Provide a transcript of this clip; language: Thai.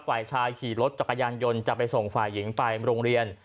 ฝ่ายชายขี่รถจักรยานยนต์จะไปส่งฝ่ายหญิงไปโรงเรียน